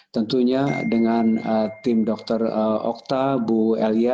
tentunya dengan tim dokter okta bu elia